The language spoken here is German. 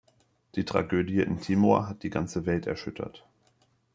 Die Tragödie in Timor hat die ganze Welt erschüttert.